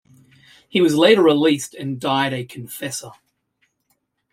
He was later released and died a confessor.